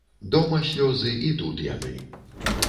Дома слёзы, і тут яны.